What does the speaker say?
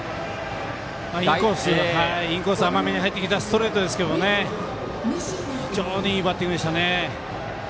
インコース甘めに入ってきたストレートですけど非常にいいバッティングでしたね。